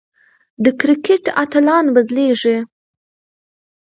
د کرکټ اتلان بدلېږي.